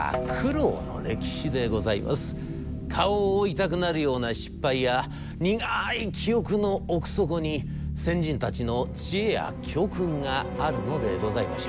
顔を覆いたくなるような失敗や苦い記憶の奥底に先人たちの知恵や教訓があるのでございましょう。